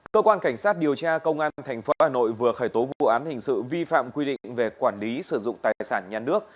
cơ quan cảnh sát điều tra công an tp hà nội vừa khởi tố vụ án hình sự vi phạm quy định về quản lý sử dụng tài sản nhà nước